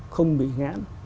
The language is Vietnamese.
không bị ngã